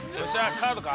カードか？